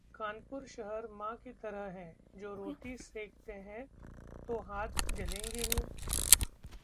'कानपुर शहर मां की तरह है, जो रोटी सेंकते हैं तो हाथ जलेंगे ही'